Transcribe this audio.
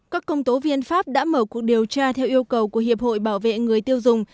các công tố viên pháp đã mở cuộc điều tra theo yêu cầu của hiệp hội bảo vệ người tiêu dùng